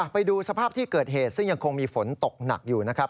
ไปดูสภาพที่เกิดเหตุซึ่งยังคงมีฝนตกหนักอยู่นะครับ